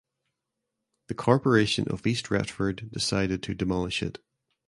The corporation of East Retford decided to demolish it.